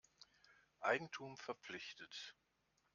Eigentum verpflichtet.